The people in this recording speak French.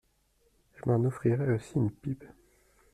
Je m’en offrirai aussi une pipe.